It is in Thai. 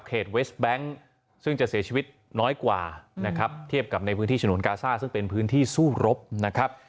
เวสแบงค์ซึ่งจะเสียชีวิตน้อยกว่านะครับเทียบกับในพื้นที่ฉนวนกาซ่าซึ่งเป็นพื้นที่สู้รบนะครับ